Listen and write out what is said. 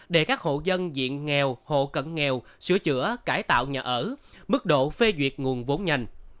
để các hộ dân diện nghèo hộ cận nghèo sửa chữa cải tạo nhà ở mức độ phê duyệt nguồn vốn nhanh